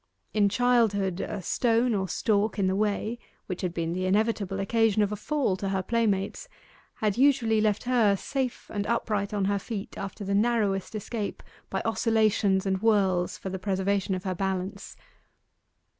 In childhood, a stone or stalk in the way, which had been the inevitable occasion of a fall to her playmates, had usually left her safe and upright on her feet after the narrowest escape by oscillations and whirls for the preservation of her balance.